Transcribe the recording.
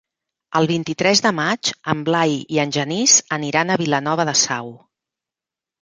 El vint-i-tres de maig en Blai i en Genís aniran a Vilanova de Sau.